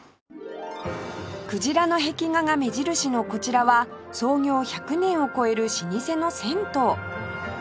クジラの壁画が目印のこちらは創業１００年を超える老舗の銭湯